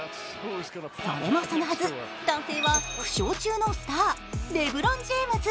それもそのはず、男性は負傷中のスター、レブロン・ジェームズ。